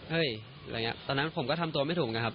อะไรอย่างนี้ตอนนั้นผมก็ทำตัวไม่ถูกนะครับ